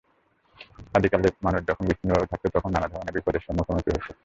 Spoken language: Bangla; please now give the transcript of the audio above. আদিকালে মানুষ যখন বিচ্ছিন্নভাবে থাকত, তখন নানা ধরনের বিপদের মুখোমুখি হতে হতো।